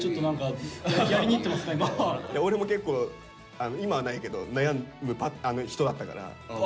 オレも結構今はないけど悩む人だったから。